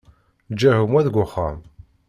Ǧǧiɣ gma deg uxxam.